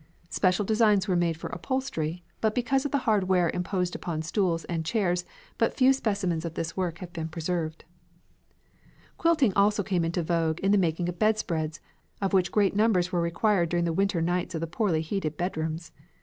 Special designs were made for upholstery, but because of the hard wear imposed upon stools and chairs but few specimens of this work have been preserved. Quilting also came into vogue in the making of bedspreads, of which great numbers were required during the winter nights in the poorly heated bedrooms.